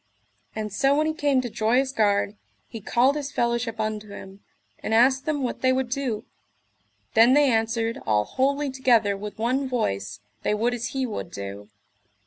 And so when he came to Joyous Gard he called his fellowship unto him, and asked them what they would do. Then they answered all wholly together with one voice they would as he would do.